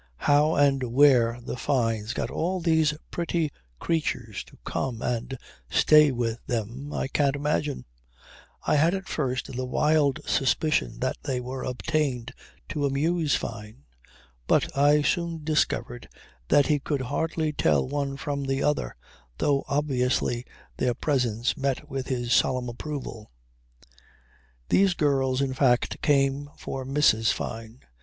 How and where the Fynes got all these pretty creatures to come and stay with them I can't imagine. I had at first the wild suspicion that they were obtained to amuse Fyne. But I soon discovered that he could hardly tell one from the other, though obviously their presence met with his solemn approval. These girls in fact came for Mrs. Fyne.